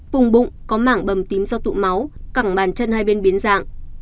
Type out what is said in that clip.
vùng bụng có mảng bầm tím do tụ máu cẳng màn chân hai bên biến dạng